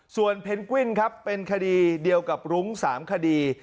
ส่วนเพนกวินครับเป็นคดีเดียวกับรุ้ง๓คดี